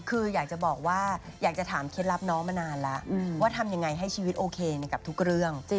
คืออยากจะบอกว่าอยากจะถามเคล็ดลับน้องมานานแล้วว่าทำยังไงให้ชีวิตโอเคกับทุกเรื่อง